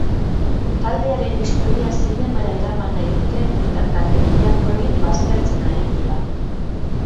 Taldearen historia zinemara eraman nahi dute eta taldekideak proiektua aztertzen ari dira.